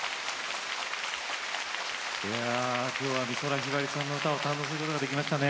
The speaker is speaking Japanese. いや今日は美空ひばりさんの歌を堪能することができましたね。